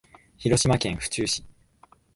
広島県府中市